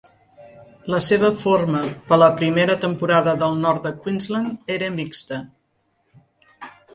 La seva forma per a la primera temporada del nord de Queensland era mixta.